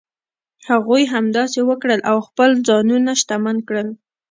هغوی همداسې وکړل او خپل ځانونه شتمن کړل.